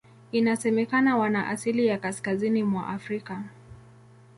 Inasemekana wana asili ya Kaskazini mwa Afrika.